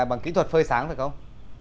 bằng kỹ thuật phơi sáng phải không